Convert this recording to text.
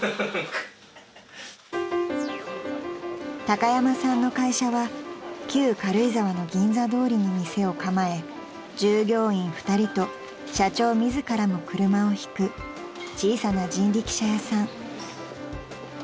［高山さんの会社は旧軽井沢の銀座通りに店を構え従業員２人と社長自らも車を引く小さな人力車屋さん］